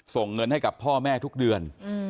ส่งเงินให้กับพ่อแม่ทุกเดือน